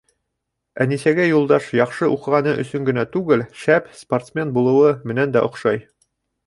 Әнисәгә Юлдаш яҡшы уҡығаны өсөн генә түгел, шәп спортсмен булыуы менән дә оҡшай.